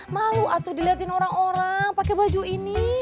malu atau dilihatin orang orang pakai baju ini